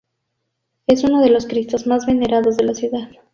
Es uno de los Cristos más venerados de la ciudad.